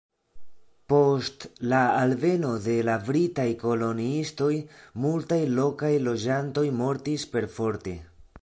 Post la alveno de la britaj koloniistoj, multaj lokaj loĝantoj mortis perforte.